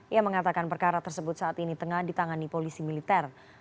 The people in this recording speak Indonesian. ia mengatakan perkara tersebut saat ini tengah ditangani polisi militer